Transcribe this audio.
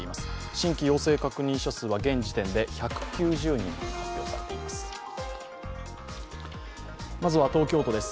新規陽性確認者数は現時点で１９０人と発表されています。